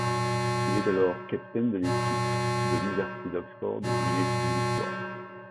Il est alors capitaine de l'équipe de l'Université d'Oxford, où il étudie l'Histoire.